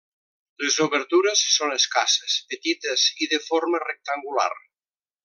Les obertures són escasses, petites i de forma rectangular.